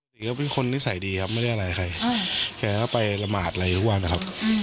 ศรีก็เป็นคนนิสัยดีครับไม่ได้อะไรใครแกก็ไปละหมาดอะไรทุกวันนะครับ